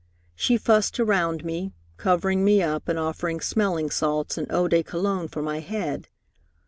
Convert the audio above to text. She fussed around me, covering me up and offering smelling salts and eau de cologne for my head.